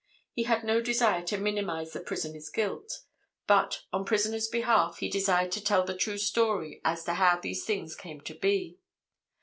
He had no desire to minimize the prisoner's guilt. But, on prisoner's behalf, he desired to tell the true story as to how these things came to be.